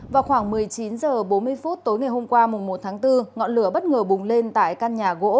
vào khoảng một mươi chín h bốn mươi phút tối ngày hôm qua một tháng bốn ngọn lửa bất ngờ bùng lên tại căn nhà gỗ